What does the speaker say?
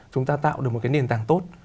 chúng ta tạo được một cái nền tảng tốt